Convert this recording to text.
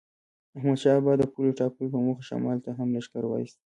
احمدشاه بابا د پولو ټاکلو په موخه شمال ته هم لښکر وایست.